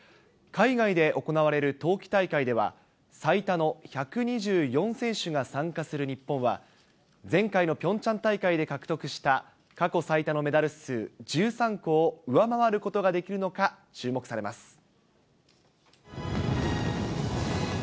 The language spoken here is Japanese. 海外で行われる冬季大会では、最多の１２４選手が参加する日本は、前回のピョンチャン大会で獲得した過去最多のメダル数、１３個を上回ることができるのか、注目されます。